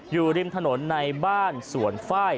อยู่ริมถนนในบ้านสวนฝ้าย